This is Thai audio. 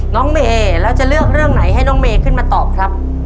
น้องเมย์แล้วจะเลือกเรื่องไหนให้น้องเมย์ขึ้นมาตอบครับ